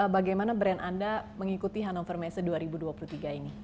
bagaimana brand anda mengikuti hannover messe dua ribu dua puluh tiga ini